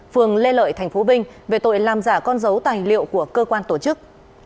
phường lê lợi tp vinh về tội làm giả con dấu tài liệu của cơ quan tổ chức